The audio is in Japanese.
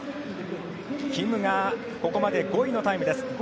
キムここまで５位のタイムです。